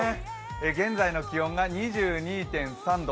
現在の気温が２２．３度。